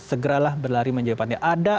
segeralah berlari menjauhi pantai ada